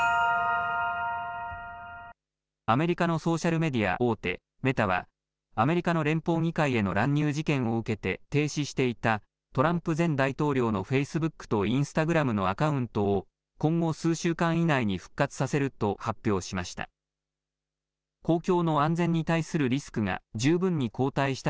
アメリカのソーシャルメディア大手、メタは、アメリカの連邦議会への乱入事件を受けて停止していた、トランプ前大統領のフェイスブックとインスタグラムのアカウントを、今後数週間以内に復活させると発表しました。